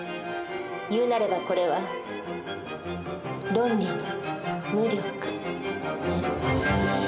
言うなればこれは「ロンリの無力」ね。